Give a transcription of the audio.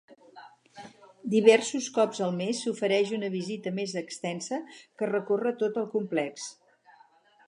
Diversos cops al mes s'ofereix una visita més extensa que recorre tot el complex.